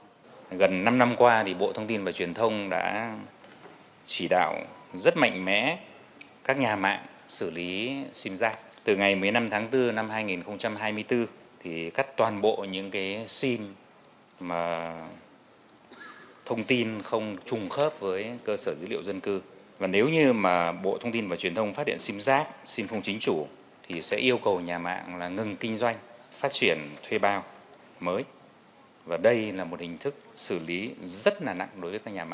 cử tri cũng mong muốn bộ thông tin và truyền thông có những giải pháp hữu hiệu hơn nữa trong việc giả soát xử lý những tài khoản ngân hàng không chính chủ vì đây đang là kẽ hở cho loại tội phạm này lợi dụng để thực hiện hành vi phạm